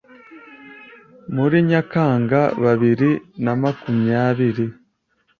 muri Nyakanga bibiri namakumyabiri